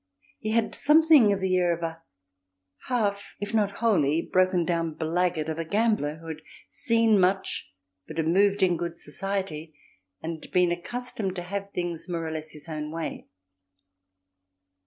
He had something of the air of a half, if not wholly, broken down blackguard of a gambler who had seen much but had moved in good society and been accustomed to have things more or less his own way.